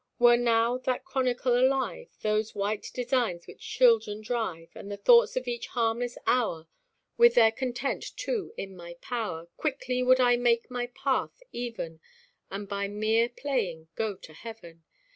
Were now that chronicle alive, Those white designs which children drive, And the thoughts of each harmless hour, With their content too in my power, Quickly would I make my path even, And by mere playing go to heaven.